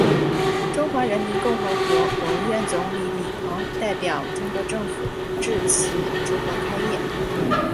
中华人民共和国国务院总理李鹏代表中国政府致词祝贺开业。